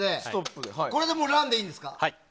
これで「ＲＵＮ」でいいんですか？